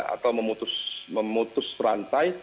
atau memutus rantai